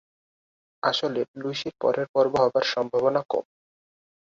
আসলে লুসির পরের পর্ব হবার সম্ভাবনা কম।